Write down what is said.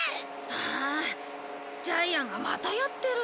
あジャイアンがまたやってる。